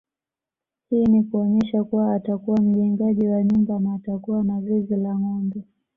Hii ni kuonyesha kuwa atakuwa mjengaji wa nyumba na atakuwa na zizi la ngombe